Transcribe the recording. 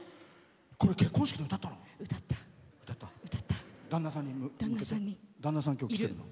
結婚式で歌ったの？